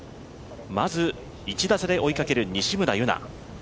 まず、１打差で追いかける、西村優菜